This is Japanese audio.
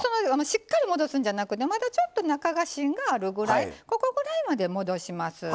しっかり戻すんじゃなくてまだちょっと中が芯があるぐらいここぐらいまで戻します。